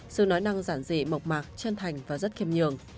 sư nói năng giản dị mộc mạc chân thành và rất kiềm nhường